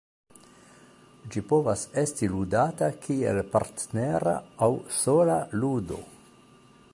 Ĝi povas esti ludata kiel partnera aŭ sola ludo.